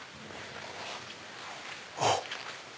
あっ！